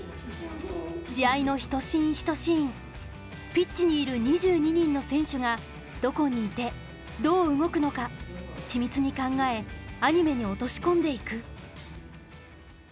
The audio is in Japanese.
試合の１シーン１シーンピッチにいる２２人の選手がどこにいてどう動くのか緻密に考えアニメに落とし込んでいく。